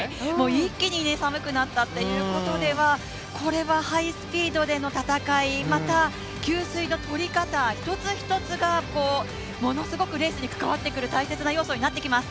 一気に寒くなったということではこれはハイスピードでの戦い、また給水の取り方一つ一つがものすごくレースに関わってくる、大切な要素となってきます。